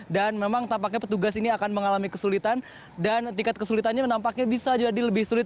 dan memang tampaknya petugas ini akan mengalami kesulitan dan tingkat kesulitannya menampaknya bisa jadi lebih sulit